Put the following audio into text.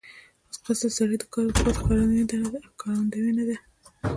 ځغاسته د سړي د کار د قوت ښکارندوی ده